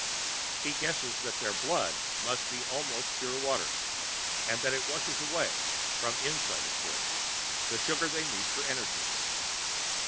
He guesses that their "blood" must be almost pure water, and that it washes away (from the inside, of course) the sugar they need for energy.